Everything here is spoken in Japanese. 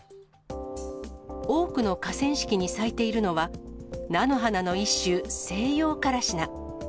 多くの河川敷に咲いているのは、菜の花の一種、セイヨウカラシナ。